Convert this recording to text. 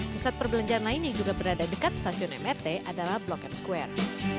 pusat perbelanjaan lain yang juga berada dekat stasiun mrt adalah blok m square